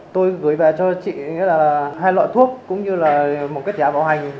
tôi gửi về cho chị là hai loại thuốc cũng như là một kết giả bảo hành